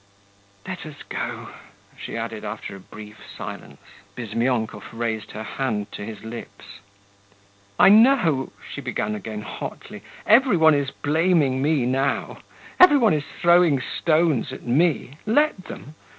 Let us go,' she added, after a brief silence. Bizmyonkov raised her hand to his lips. 'I know,' she began again hotly, 'every one is blaming me now, every one is throwing stones at me. Let them!